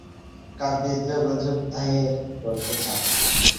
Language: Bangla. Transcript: কার বিরুদ্ধে অভিযোগ দায়ের করতে চান?